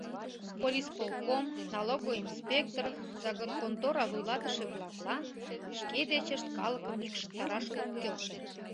Волисполком, налогоинспектор, заготконтора вуйлатыше-влаклан шке дечышт калыкым йӱкшыктараш ок келше.